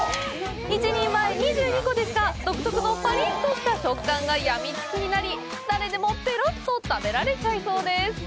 １人前２２個ですが、独特のパリッとした食感がやみつきになり、誰でもペロッと食べられちゃいそうです。